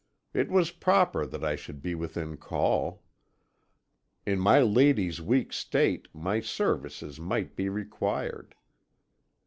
It was proper that I should be within call. In my lady's weak state, my services might be required.